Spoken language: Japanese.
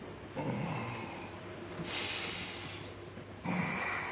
うん。